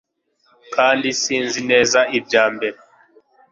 kandi sinzi neza ibya mbere